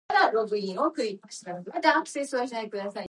Do you speak Beluga?